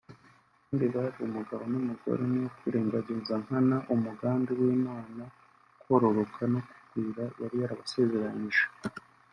kandi bari umugabo n’umugore ni ukwirengagiza nkana umugambi w’Imana wo kororoka no kugwira yari yarabasazeranyije